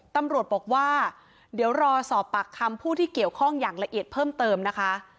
ตำรวจบอกว่าเดี๋ยวรอสอบปากคำผู้ที่เกี่ยวข้องอย่างละเอียดเพิ่มเติมนะคะ